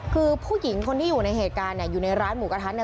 คือผู้หญิงคนที่อยู่ในเหตุการณ์เนี่ยอยู่ในร้านหมูกระทะเนี่ย